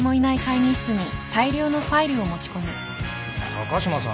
高島さん